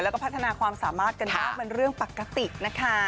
แล้วก็พัฒนาความสามารถกันบ้างเป็นเรื่องปกตินะคะ